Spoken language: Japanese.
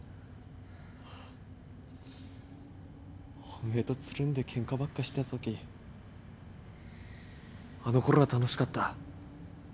おめえとつるんでケンカばっかしてたときあのころは楽しかった。